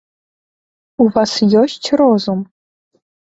У вас ёсць розум?